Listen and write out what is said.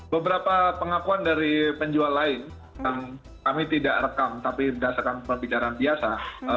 beberapa pengakuan dari penjual lain yang kami tidak rekam tapi berdasarkan pembicaraan biasa